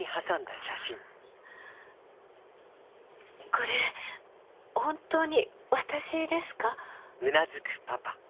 これ本当に私ですか？